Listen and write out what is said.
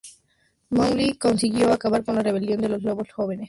Mowgli consiguió acabar con la rebelión de los lobos jóvenes.